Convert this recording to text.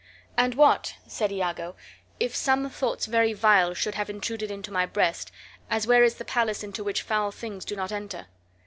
"And what," said Iago, "if some thoughts very vile should have intruded into my breast, as where is the palace into which foul things do not enter?"